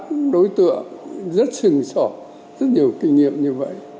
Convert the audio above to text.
một đối tác một đối tượng rất sừng sỏ rất nhiều kinh nghiệm như vậy